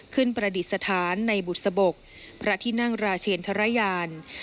ขึ้นประดิษฐานในบุตสะบกพระทินังราเชนทรยาน